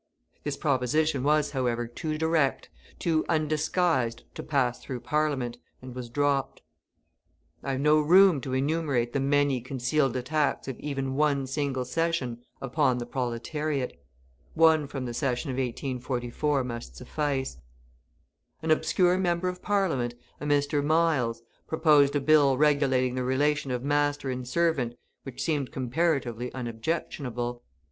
This proposition was, however, too direct, too undisguised to pass through Parliament, and was dropped. I have no room to enumerate the many concealed attacks of even one single session upon the proletariat. One from the session of 1844 must suffice. An obscure member of Parliament, a Mr. Miles, proposed a bill regulating the relation of master and servant which seemed comparatively unobjectionable.